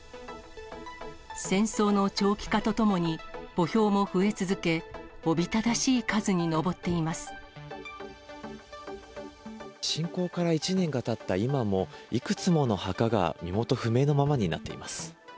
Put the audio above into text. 戦争の長期化とともに墓標も増え続け、おびただしい数に上ってい侵攻から１年がたった今も、いくつもの墓が身元不明のままになっています。